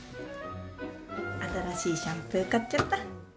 新しいシャンプー買っちゃった。